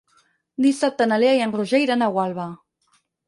Dissabte na Lena i en Roger iran a Gualba.